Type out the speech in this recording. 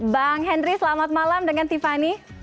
bang henry selamat malam dengan tiffany